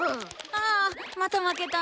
あまた負けた。